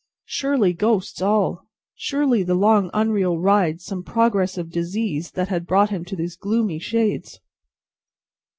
Surely, ghosts all. Surely, the long unreal ride some progress of disease that had brought him to these gloomy shades!